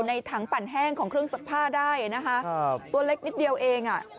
ในถังปั่นแห้งของเครื่องซักผ้าได้นะคะตัวเล็กนิดเดียวเองอ่ะ